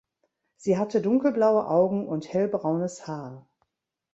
Sie hatte dunkelblaue Augen und hellbraunes Haar.